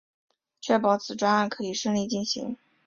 确保此专案可以顺利进行